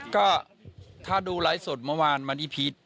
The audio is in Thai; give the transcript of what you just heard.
ก็ถ้าดูไลฟ์สดเมื่อวานวันที่พีช